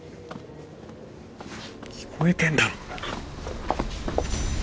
聞こえてんだろ！